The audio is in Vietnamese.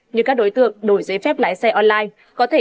như các đối tượng đổi giấy phép lái xe online